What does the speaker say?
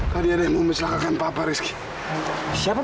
tadi ada yang mempercelakakan papa rizky siapa pak